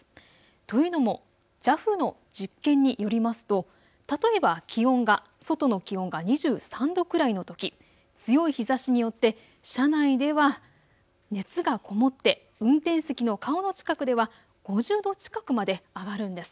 というのもＪＡＦの実験によりますと例えば外の気温が２３度くらいのとき強い日ざしによって車内では熱が籠もって運転席の顔の近くでは５０度近くまで上がるんです。